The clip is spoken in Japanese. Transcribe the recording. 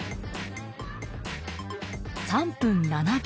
３分７秒。